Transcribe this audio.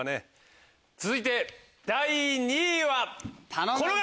続いて第２位はこの方！